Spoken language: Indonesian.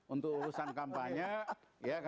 untuk urusan kampanye